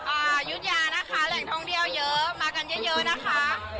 อายุทยานะคะแหล่งท่องเที่ยวเยอะมากันเยอะเยอะนะคะ